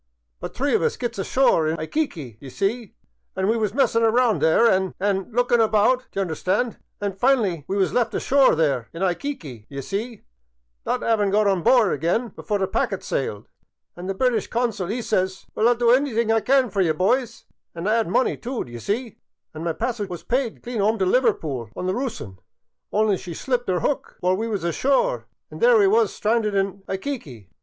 But three of us gets ashore in ^yquique, d'ye see, an' we was messin' about there an' — an' — lookin* about, d' y' understand, an' fin'ly we was left ashore there in ^;yquique, d' ye see, not 'avin* got on board again before the packet sailed. An' the British Consul 'e says, * Well, I '11 do anything I can fer ye, boys.* An' I 'ad money too, d' ye see, an' my passage was pyde clean 'ome t' Liverpool on the Roossian, only she slipped 'er ' ook while we was ashore an' there we was stranded in /iyquique.